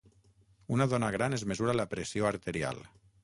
Una dona gran es mesura la pressió arterial.